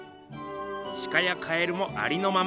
シカやカエルもありのまま。